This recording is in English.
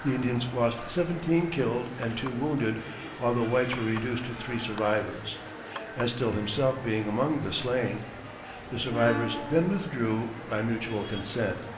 The Indians lost seventeen killed and two wounded, while the whites were reduced to three survivors, Estill himself being among the slain. The survivors then withdrew by mutual consent.